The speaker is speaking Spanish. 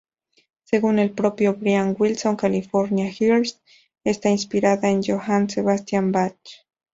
Según el propio Brian Wilson "California Girls" está inspirada en Johann Sebastian Bach.